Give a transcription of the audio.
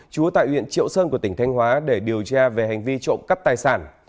chúa tại huyện triệu sơn của tỉnh thanh hóa để điều tra về hành vi trộm cắt tài sản